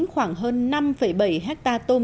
khoảng hơn năm bảy hectare tôm